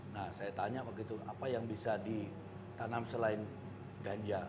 nah saya tanya begitu apa yang bisa ditanam selain ganja